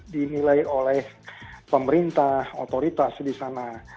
dinilai oleh pemerintah otoritas di sana